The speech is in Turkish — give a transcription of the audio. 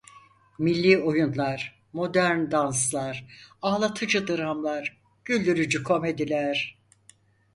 Milli oyunlar, modern danslar, ağlatıcı dramlar, güldürücü komediler…